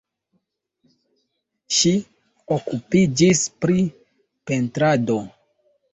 Ŝi okupiĝis pri pentrado.